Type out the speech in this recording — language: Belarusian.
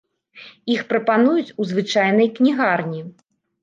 Іх прапануюць у звычайнай кнігарні.